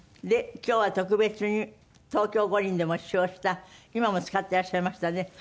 で今日は特別に東京五輪でも使用した今も使っていらっしゃいましたね。